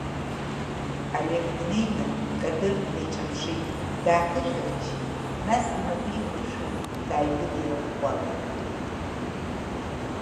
Олег днеины Кадыр днеиҿаԥшит, дааԥышәырччеит, нас инапы икәыршаны дааигәыдирӷәӷәалеит.